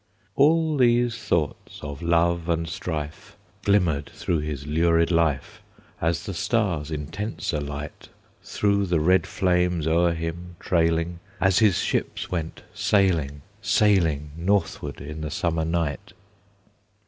All these thoughts of love and strife Glimmered through his lurid life, As the stars' intenser light Through the red flames o'er him trailing, As his ships went sailing, sailing, Northward in the summer night.